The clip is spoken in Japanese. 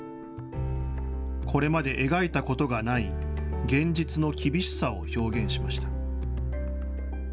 これまで描いたことがない現実の厳しさを表現しました。